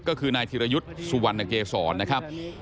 ก็คือนายธิรยุทธ์สุวรรณเกษรนะครับ